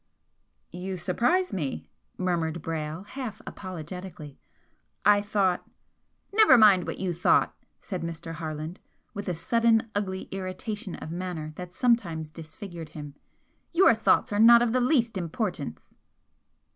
"You surprise me," murmured Brayle, half apologetically "I thought " "Never mind what you thought!" said Mr. Harland, with a sudden ugly irritation of manner that sometimes disfigured him "Your thoughts are not of the least importance!"